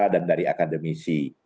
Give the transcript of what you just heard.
dan dari akademisi